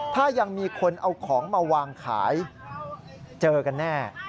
ถ้ายังมีคนเอาของมาวางขายเจอกันแน่